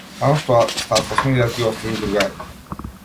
Само што стасавме јас ги оставив другарите.